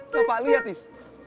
bapak lu ya tis